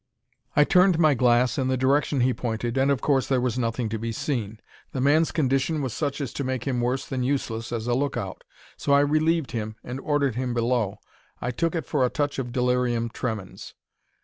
I turned my glass in the direction he pointed and of course there was nothing to be seen. The man's condition was such as to make him worse than useless as a lookout, so I relieved him and ordered him below. I took it for a touch of delirium tremens.